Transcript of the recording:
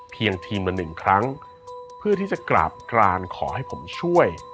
ทีมละหนึ่งครั้งเพื่อที่จะกราบกรานขอให้ผมช่วย